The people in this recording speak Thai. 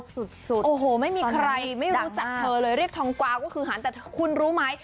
สุดโอ้โหไม่มีใครไม่รู้จักเธอเลยเรียกทองกวาวก็คือหันแต่คุณรู้ไหม